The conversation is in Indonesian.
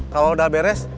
kalau udah beres